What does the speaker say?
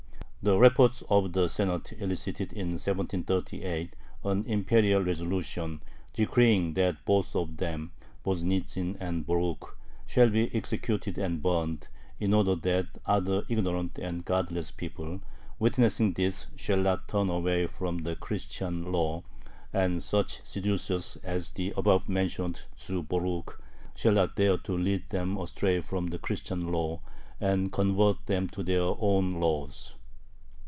The report of the Senate elicited in 1738 an Imperial resolution, decreeing that "both of them [Voznitzin and Borukh] shall be executed and burned, in order that other ignorant and godless people, witnessing this, shall not turn away from the Christian law, and such seducers as the above mentioned Jew Borukh shall not dare to lead them astray from the Christian law and convert them to their own laws."